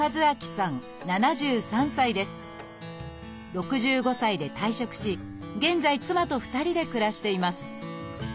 ６５歳で退職し現在妻と２人で暮らしています。